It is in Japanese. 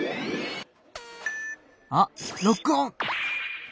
あっロックオン！